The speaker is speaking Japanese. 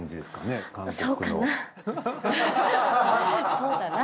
そうだな。